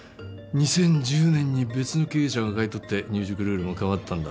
２０１０年に別の経営者が買い取って入塾ルールも変わったんだ。